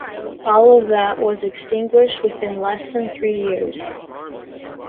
All of that was extinguished within less than three years.